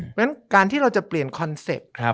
เพราะฉะนั้นการที่เราจะเปลี่ยนคอนเซ็ปต์